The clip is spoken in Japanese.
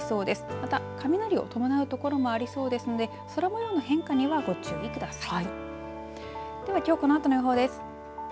また、雷を伴うところもありそうですので空もようの変化にはご注意ください。